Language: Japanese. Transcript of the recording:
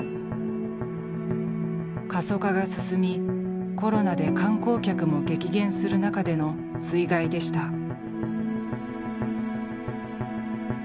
過疎化が進みコロナで観光客も激減する中での水害でした。